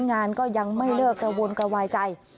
งานก็ยังไม่เลิกกระวนกระวายใจ